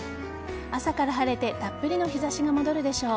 朝から晴れてたっぷりの日差しが戻るでしょう。